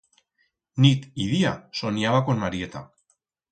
Nit y día soniaba con Marieta.